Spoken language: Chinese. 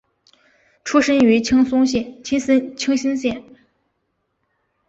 出身于青森县。